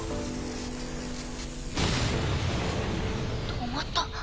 止まった。